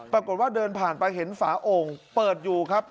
ปรากฏว่าเดินผ่านไปเห็นฝาโอ่งเปิดอยู่ครับ